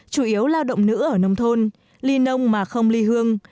chủ yếu lao động nữ ở nông thôn ly nông mà không ly hương